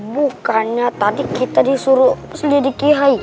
bukannya tadi kita disuruh sedia dikihai